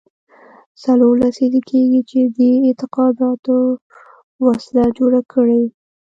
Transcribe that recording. څلور لسیزې کېږي چې دې اعتقاداتو وسله جوړه کړې.